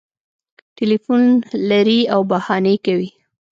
ټلیفون لري او بهانې کوي